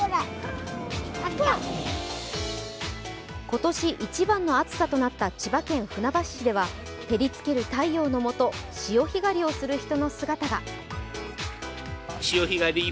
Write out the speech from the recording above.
今年一番の暑さとなった千葉県船橋市では照りつける太陽のもと潮干狩りをする人の姿が。